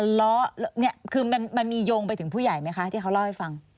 ล้อนี่คือมันมีโยงไปถึงผู้ใหญ่ไหมคะที่เขาเล่าให้ฟัง